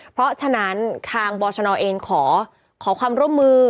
เพราะฉะนั้นทางบอชนเองขอความร่วมมือ